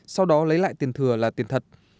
sau đó lấy lại tiền thừa là tiền thật